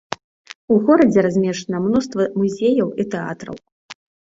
У горадзе размешчана мноства музеяў і тэатраў.